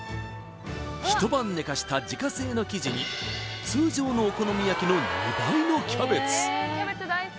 一晩寝かした自家製の生地に通常のお好み焼きの２倍のキャベツ